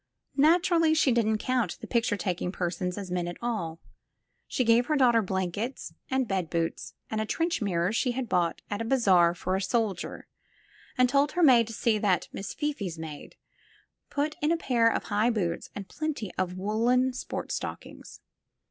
Naturally, she didn't count the picture taking persons as men at all. She gave her daughter blankets and bed boots and a trench mirror she had bought at a bazaar for a soldier, and told her maid to see that Miss Fifi's maid put in a pair of high boots and plenty of woolen sport stockings.